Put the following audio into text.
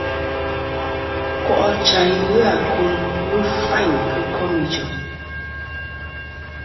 Nkò' achayn ghɨ akum ghɨ fayn kɨ kom ijɨm.